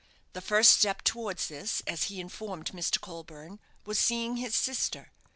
The first step towards this, as he informed Mr. Colburne, was seeing his sister.